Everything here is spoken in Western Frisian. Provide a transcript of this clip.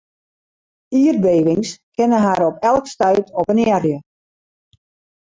Ierdbevings kinne har op elk stuit oppenearje.